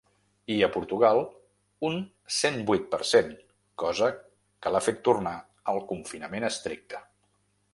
I a Portugal, un cent vuit per cent, cosa que l’ha fet tornar al confinament estricte.